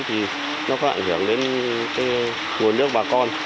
thì nó có ảnh hưởng đến cái nguồn nước bà con